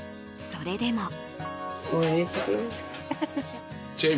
それでも。